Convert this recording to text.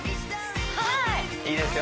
はいいいですよ